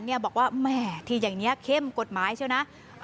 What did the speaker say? นี่บอกว่าแหมทีอย่างเนี่ยเข้มกฎหมายใช่ไหม